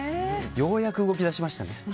ようやく動き出しましたね。